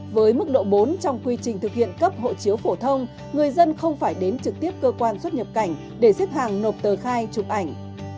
với mức độ bốn trong quy trình thực hiện cấp hộ chiếu phổ thông người dân không phải đến trực tiếp cơ quan xuất nhập cảnh để xếp hàng nộp tờ khai chụp ảnh